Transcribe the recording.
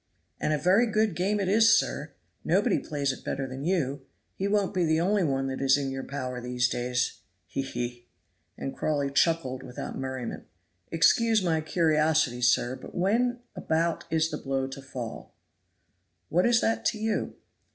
"And a very good game it is, sir! Nobody plays it better than you. He won't be the only one that is in your power in these parts he! he!" And Crawley chuckled without merriment. "Excuse my curiosity, sir, but when about is the blow to fall?" "What is that to you?"